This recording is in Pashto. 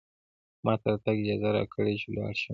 ما ته د تګ اجازه راکړئ، چې ولاړ شم.